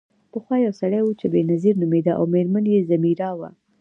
پخوا یو سړی و چې بینظیر نومیده او میرمن یې ځمیرا وه.